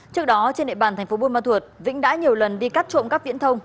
trước đó trên địa bàn tp buôn ma thuột vĩnh đã nhiều lần đi cắt trộm các viễn thông